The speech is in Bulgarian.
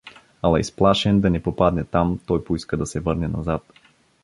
Ала изплашен да не попадне там, той поиска да се върне назад.